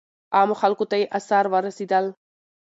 عامو خلکو ته یې آثار ورسېدل.